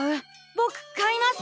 ぼく買います！